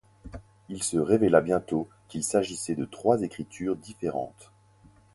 Il se révéla bientôt qu’il s’agissait de trois écritures différentes.